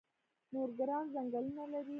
نورګرام ځنګلونه لري؟